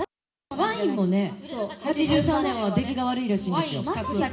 ワインもね、８３年は出来が悪いらしいんですよ。